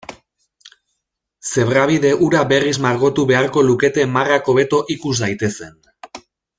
Zebrabide hura berriz margotu beharko lukete marrak hobeto ikus daitezen.